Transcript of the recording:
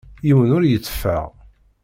Yiwen ur yetteffeɣ.